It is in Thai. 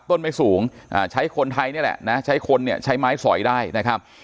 ไม่สูงใช้คนไทยนี่แหละนะใช้คนเนี่ยใช้ไม้สอยได้นะครับ